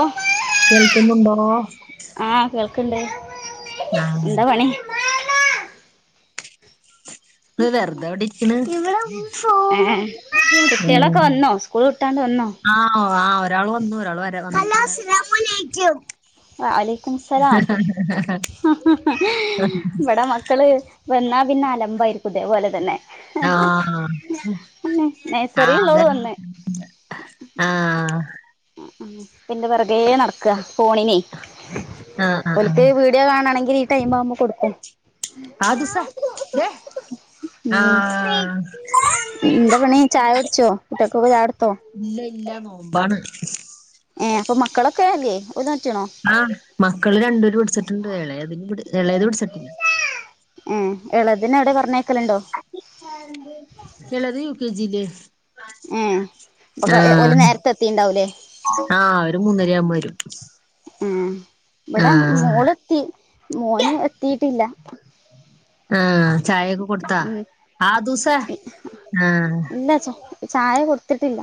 ഓ കേൾക്കുന്നുണ്ടോ? ക്ക്ല്ലേ? ആഹ്. വെറ്തെവിടെ ഏ കുട്ടികളൊക്കെ വന്നോ സ്കൂൾ വിട്ടാണ്ട് വന്നോ ആഹ് ആഹ്. ഒരാൾ വന്നു ഒരാൾ വരാ വഅലൈക്കുമുസ്സലാം. ഇവ്ടെ മക്കള് വന്നാ പിന്നെ അലമ്പായിരിക്കും ഇതേപോലെ തന്നെ. ആഹ്. അന്നെ നഴ്സറി ആഹ് ഉള്ളോള് വന്ന് അതെന്നെ ആഹ് [unintelligible] ഇന്റെ പെറകേ നടക്കാ ഫോണിനെയ് ആഹ് ആഹ് ആഹ് ഓല്ക്ക് വീഡിയോ കാണയാണെങ്കി ഈ ടൈമാകുബോ കൊടുക്കും ആ ദസാ ദേ ഉം ആഹ എന്താ പണി ചായട്ച്ചോ കുട്ട്യാക്കൊക്കെ ചായട്ത്തോ ഇല്ല ഇല്ല [unintelligible] അപ്പൊ മക്കളൊക്കെയല്ലേ ആഹ് മക്കള് രണ്ടുപേര് പിടിച്ചിട്ടുണ്ട്ളയതിന് ഇളയത് പിടിച്ചിട്ടില്ല ആ എളദ്നെ എവിടെ പറഞ്ഞ എളേത് യു. കെ. ജി ല് ഏ അപ്പൊ ഓല് നേരത്തെ എത്തീട്ണ്ടാവുലേ ആഹ ഒരു മൂന്നരയാവുമ്പ വരും ആ ഇവിടെ ആഹ് മോള് എത്തി മോന് എത്തീട്ടില്ല ആഹ ചായൊക്കെ കൊടുത്താ ഉം ആ അദുസ ആഹ ഇല്ല ച ചായ കൊടുത്തിട്ടില്ല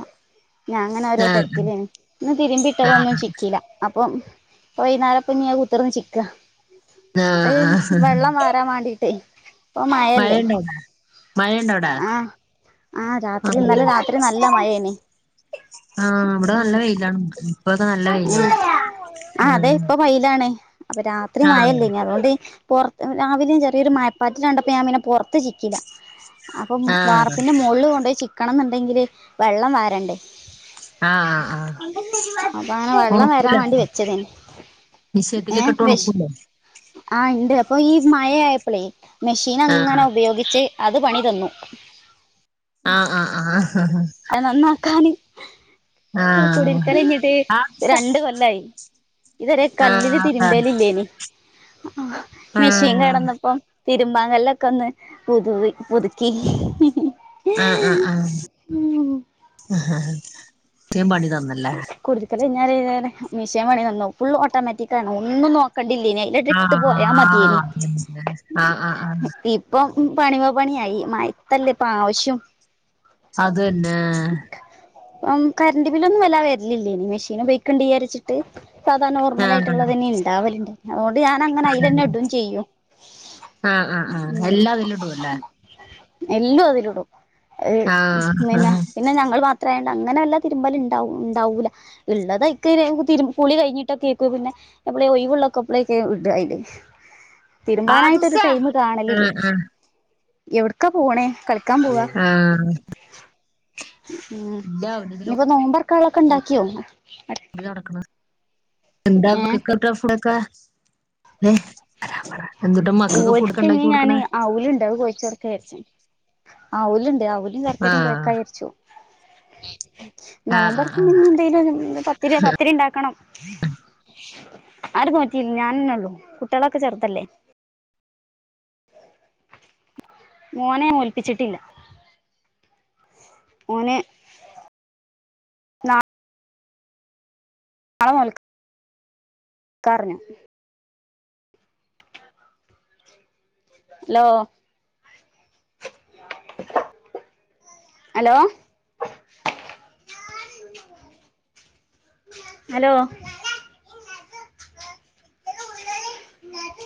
ഞാൻ അങ്ങനെ ഓരോ ആഹ് തെരക്കിലേന്നു. ഇന്ന് തിരുമ്പിട്ട തൊന്നു ആഹ് ചിക്കില്ല. അപ്പം വൈകനേരപ്പ നീ കുത്തിർന്ന് ചിക്കാ ആഹ് ആഹ് വെള്ളം വരാാൻ വേണ്ടീടെയ് ഇപ്പൊ മയല്ലേ മഴയുണ്ടോടാ മഴയുണ്ടോടാ ആഹ ആഹ രാത്രി ആഹ് ഇന്നലെ രാത്രി നല്ല മഴേനി ആഹ ഇവിടെ നല്ല ഉം വെയിലാണ് ഇപ്പൊക്കെ നല്ല വെയിലാണ് അ. അൊ രാത്രി മയല്ലേ ഇ അതുകൊണ്ട് രാവിലും ചെറിയരു മപ്പാറ്റ ണ്ടപ്പോ ഞാൻ പിന്നെ പുറത്ത് ചിക്കില്ല അപ്പൊ ആഹ് വാപ്പിന്റെ മോള്ല് കൊണ്ടേയി ചിക്കി ഒണക്കണം ന്ണ്ടെങ്കില് വെള്ളം വരണ്ടേ. ആഹ ആ അപ്പൊ അങ്ങനെ വെള്ളം വരാൻ ഒണക്കൂല വേണ്ടി വെച്ചതേനി ഏ ഫിഷ് ആ ഇണ്ട് ഇപ്പൊ ഈ മഴയപ്പോളേ മെഷീൻ ആഹ് അങ്ങനെ ഉപയോഗിച്ച് അത് പണി തന്നു. ആഹ് ആ ആ് അത് നന്നാക്കാന് ആഹ് കുടിൽക്കലൈഞ്ഞിട്ട് ആഹ് രണ്ട് കൊല്ലായി ഇതരെ കല്ലില് ആഹ് ആഹ് തിരുമ്പലില്ലേനി മെഷീൻ ആഹ് കേടന്നപോ തിരുമ്പാങ്ങല്ലൊക്കെ ഒന്ന് പുതുവി പുതുക്കി ആഹ ആഹ ആഹ ആ ഇറ്റേം പണി തന്നല്ലേ ഞ മെഷൻേണിന്നു ഫുൾ ഓട്ടോമാറ്റിിക്ക ആണ് ഒന്നും നോ കണ്ടില്ലേന അലട്ട് ഇട്ട് പോയാ ആഹ് മതിയേനി ആഹ് ഇപ്പം ഉം പണിമ പണിയായി മയത്തല്ലെപ്പാവശ്യം. അതന്നെ. ഒം കരണ്ട് ബില്ലൊന്നും വല്ലാ വരിലില്ലേയ്നി. മെഷീനു പയോക്കണ്ട് യാരിച്ചിട്ട്. സാദാ ആഹ് നോർമലായിട്ട്ള്ളതെന്ന്യ ണ്ടാവല്. [unintelligible] ത് ആഹ് ആഹ് അതന്നെ ഞാനങ്ങനയിലെന്നെ ടും ചെയ്യും. ആഹ് ആഹ് ആഹ് ആഹ് ആഹ് ഊം. എല്ലാം അതിലിടുവല്ലേ എല്ലു അതില്ടു. അഅ് ആഹ് നിന്ന ആഹ് പിന്ന ഞങ്ങൾ മാത്രെ അങ്ങനെല്ല തിരുമ്പല്ണ്ടാവു ണ്ടാവൂല ഇള്ളതയ്ക്ക് ര് തിര് കുളി കഴിഞ്ഞിട്ടൊക്കെയ്ക്കു പിന്നെ എപ്ളെ ഒയിവുള്ളക്കപ്പളെക്കെ ഇട്വായില്. തിര്മ്പാനായിട്ടൊര് ആദുസേ ടൈമ് കാണലില്. ആഹ് ആഹ് എവിട്ക്കാ പോണേ? കളിക്കാൻ പോവാ [inaudible] ആഹ്. ഉം. ഇല്ല അവനിതില് നിപ്പം നോമ്പർക്കാളൊക്കണ്ടാക്ക്യോ? [unintelligible] നടക്ക്ണ് എന്താ ഏഹ് പ്പ [unintelligible] [inaudible] ഓൽക്ക്ന്ന് ഞാന് ഔല്ണ്ട് അഅ് കൊയച്ചൊടക്ക യാരിച്ച. ഔല്ണ്ട് ഔ [unintelligible] ചർക്കരിം ആഹ് കൊയക്കചാരിച്ചു. ആഹ് ആഹ് നോംമ്പർക്കും ആഹ് [inaudible] ന്തേലൊര് പത്തിര്യോ പത്തിരിണ്ടാക്കണം. [inaudible] ആരും നോറ്റീൽ. ഞാനന്നെള്ളു. കുട്ട്യളൊക്ക ചെർതല്ലേ. മോനെ നോൽപ്പിച്ചിട്ടില്ല. ഓന് നാ [unintelligible] ക്കാറ്ഞ്ഞ്. Law [inaudible] hello hello. [unintelligible]